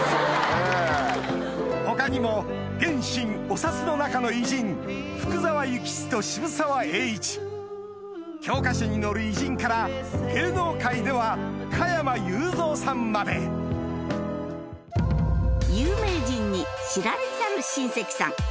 他にも現・新お札の中の偉人福澤諭吉と渋沢栄一教科書に載る偉人から芸能界では加山雄三さんまで有名人に知られざる親戚さん